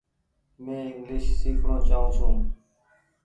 مين انگليش سيکڻو چآئو ڇون ۔